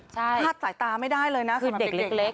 ฆาตสายตาไม่ได้เลยนะสำหรับเด็ก